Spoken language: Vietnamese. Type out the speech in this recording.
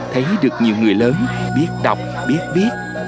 thấy được nhiều người lớn biết đọc biết viết